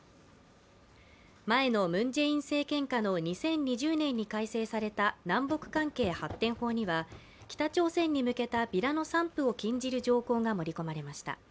前のムン・ジェイン政権下の２０２０年に改正された南北関係発展法には北朝鮮に向けたビラの散布を禁じる条項が盛り込まれました。